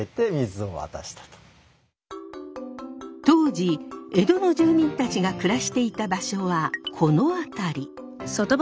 当時江戸の住民たちが暮らしていた場所はこの辺り。